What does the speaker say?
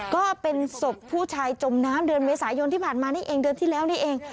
ก็เป็นศพผู้ชายจมน้ำเดือนเมษายนที่ผ่านมานี่เองเดือนที่แล้วนี่เอง